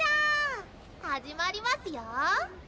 始まりますよ！